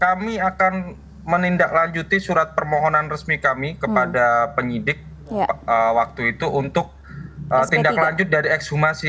kami akan menindaklanjuti surat permohonan resmi kami kepada penyidik waktu itu untuk tindak lanjut dari ekshumasi